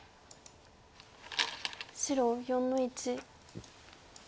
白４の一。